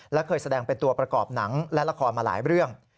และเคยแสดงเป็นตัวประกอบหนังและละครมาหลายเรื่อง